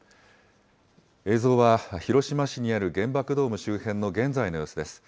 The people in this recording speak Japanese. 映像は広島市にある原爆ドーム周辺の現在の様子です。